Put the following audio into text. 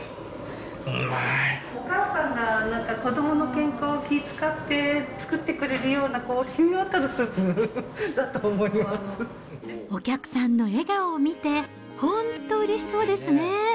お母さんが、なんか子どもの健康を気遣って作ってくれるような、しみわたるスお客さんの笑顔を見て、本当、うれしそうですね。